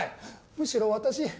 むしろ私。